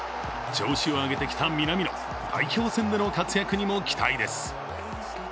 調子を上げてきた南野、代表戦での活躍にも期待です。